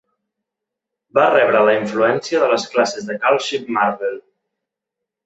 Va rebre la influència de les classes de Carl Shipp Marvel.